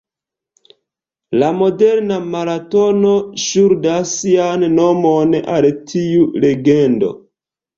La moderna maratono ŝuldas sian nomon al tiu legendo.